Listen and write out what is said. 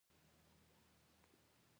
اوه خدايه بټن څه سو.